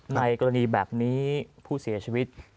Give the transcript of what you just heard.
ในกรณีแบบนี้ผู้เสียชีวิต